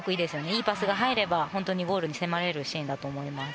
いいパスが入れば本当にゴールに迫れるシーンだと思います。